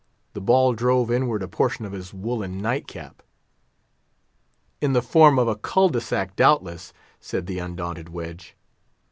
The ball drove inward a portion of his woollen night cap——" "In the form of a cul de sac, doubtless," said the undaunted Wedge.